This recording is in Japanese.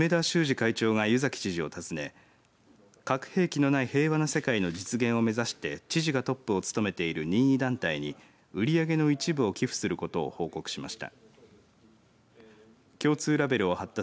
きのうは酒造組合の梅田修治会長が湯崎知事を訪ね核兵器のない平和な世界の実現を目指して知事がトップを務めている任意団体に売り上げの一部を寄付することを報告しました。